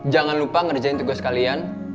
jangan lupa ngerjain tugas kalian